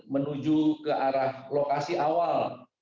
menuju ke arah lokasi awal